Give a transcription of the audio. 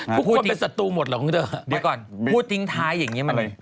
ทุกคนเป็นศัตรูหมดเหรอครับครับคุณเตอร์เดี๋ยวก่อนพูดติ้งท้ายอย่างนี้มัน